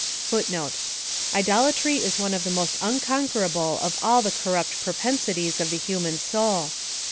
*• Idclalry is one of the most unconquerable of all the cor rupt pi3pcn>ilies of the human soul.